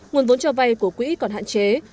nguồn vốn cho vay của quỹ còn hạn chế